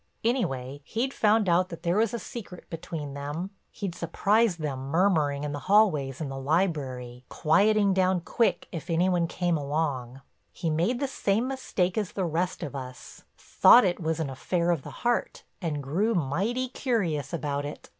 Anyway he'd found out that there was a secret between them; he'd surprise them murmuring in the hallways and the library, quieting down quick if any one came along. He made the same mistake as the rest of us, thought it was an affair of the heart and grew mighty curious about it.